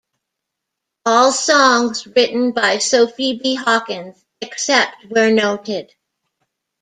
All songs written by Sophie B. Hawkins, except where noted.